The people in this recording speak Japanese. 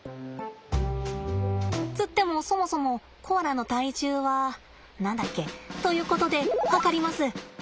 つってもそもそもコアラの体重は何だっけ？ということで量ります。